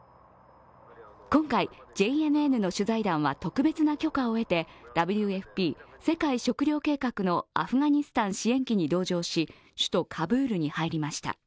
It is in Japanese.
今回、ＪＮＮの取材団は特別な許可を得てＷＦＰ＝世界食糧計画のアフガニスタン支援機に同乗し首都カブールに入りました。